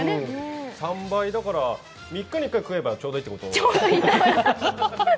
３倍だから３日に１回食えばちょうどいいってこと？